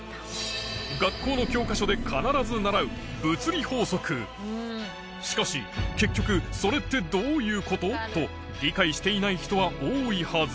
学校の教科書で必ず習うしかし結局それってどういうこと？と理解していない人は多いはず